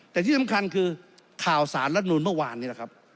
แต่ที่สำคัญคือข่าวสารรัฐนูลเมื่อวานนี้นะครับ